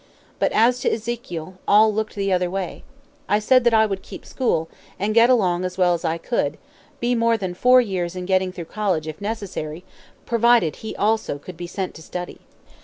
But as to Ezekiel, all looked the other way. I said that I would keep school, and get along as well as I could, be more than four years in getting through college, if necessary, provided he also could be sent to study."